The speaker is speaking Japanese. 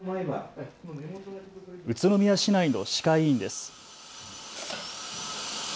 宇都宮市内の歯科医院です。